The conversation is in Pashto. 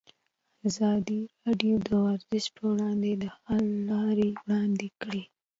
ازادي راډیو د ورزش پر وړاندې د حل لارې وړاندې کړي.